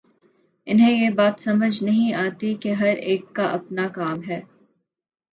انہیں یہ بات سمجھ نہیں آتی کہ ہر ایک کا اپنا کام ہے۔